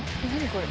これ。